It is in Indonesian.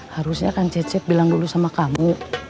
harusnya kan cecep bilang dulu sama kamu